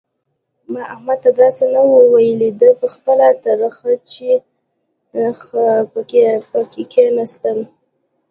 ما احمد ته داسې نه وو ويلي؛ ده په خپله ترخځي په کښېيستلې.